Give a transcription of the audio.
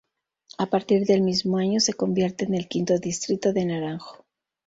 A partir del mismo año se convierte en el quinto distrito de Naranjo.